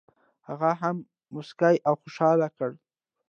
هغه یې هم مسک او خوشال کړ.